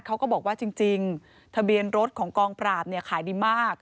เขาก็บอกว่าจริงทะเบียนรถของกองปราบเนี่ยขายดีมาก